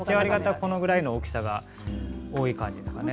このぐらいの大きさが多い感じですね。